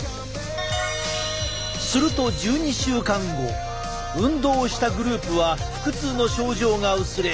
すると１２週間後運動をしたグループは腹痛の症状が薄れ